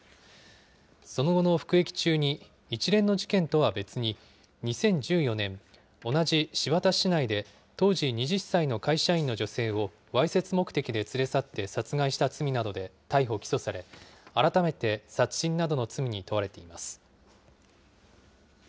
その後の服役中に、一連の事件とは別に、２０１４年、同じ新発田市内で当時２０歳の会社員の女性を、わいせつ目的で連れ去って殺害した罪などで逮捕・起訴され、改めて殺人などの罪に問われています。